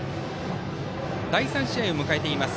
第３試合を迎えています。